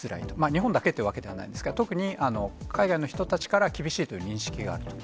日本だけというわけではないんですが、特に海外の人たちから、厳しいという認識があると。